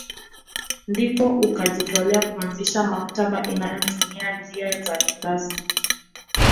Ndipo ukajitolea kuanzisha maktaba inayotumia njia za kisasa